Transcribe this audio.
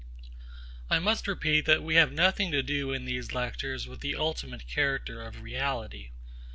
I must repeat that we have nothing to do in these lectures with the ultimate character of reality.